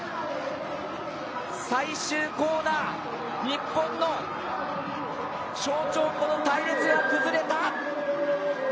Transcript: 最終コーナー、日本の象徴、隊列が崩れた！